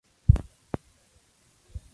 eh, vamos... ven...